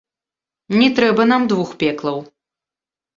Не трэба нам двух пеклаў.